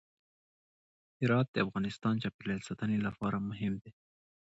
هرات د افغانستان د چاپیریال ساتنې لپاره مهم دی.